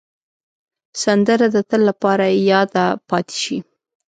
سندره د تل لپاره یاده پاتې شي